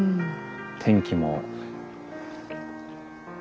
天気も。